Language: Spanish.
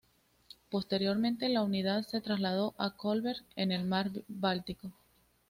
Posteriormente, la unidad se trasladó a Kolberg, en el Mar Báltico.